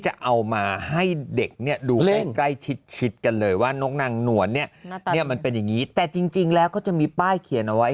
จะเอามาให้เด็กเนี่ยดูใกล้ชิดกันเลยว่านกนางหนวลเนี่ยมันเป็นอย่างนี้แต่จริงแล้วเขาจะมีป้ายเขียนเอาไว้